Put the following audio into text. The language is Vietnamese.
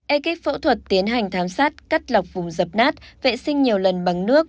ekip phẫu thuật tiến hành thám sát cắt lọc vùng dập nát vệ sinh nhiều lần bằng nước